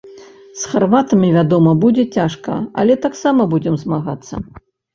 З харватамі, вядома, будзе цяжка, але таксама будзем змагацца.